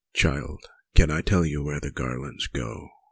"Child! can I tell where the garlands go?